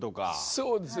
そうですね。